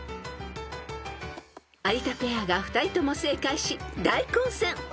［有田ペアが２人とも正解し大混戦］